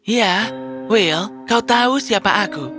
ya will kau tahu siapa aku